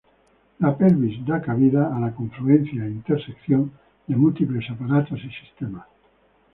La pelvis da cabida a la confluencia e intersección de múltiples aparatos y sistemas.